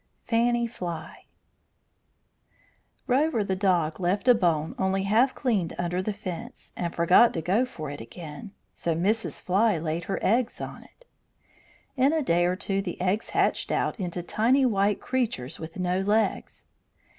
FANNY FLY Rover the dog left a bone only half cleaned under the fence, and forgot to go for it again, so Mrs. Fly laid her eggs on it. In a day or two the eggs hatched out into tiny white creatures with no legs.